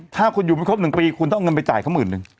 ถ้าคุณอยู่ไม่ครบ๑ปีคุณต้องเอาเงินไปจ่ายเขาหมื่นนึง